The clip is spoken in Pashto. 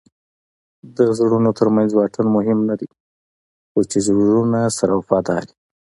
د زړونو ترمنځ واټن مهم نه دئ؛ خو چي زړونه سره وفادار يي.